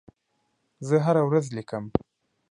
زه هره ورځ لیکم.